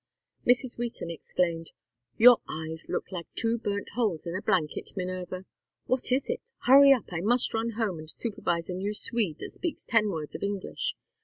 Mrs. Wheaton exclaimed: "Your eyes look like two burnt holes in a blanket, Minerva. What is it? Hurry up. I must run home and supervise a new Swede that speaks ten words of English.